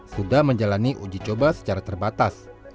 sudah menjalani uji coba secara terbatas